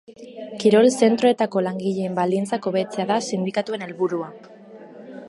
Kirol zentroetako langileen baldintzak hobetzea da sindikatuen helburua.